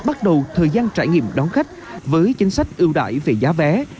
bắt đầu thời gian trải nghiệm đón khách với chính sách ưu đại về giá vé